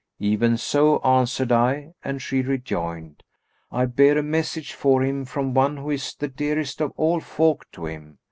'Even so,' answered I; and she rejoined, 'I bear a message for him from one who is the dearest of all folk to him.'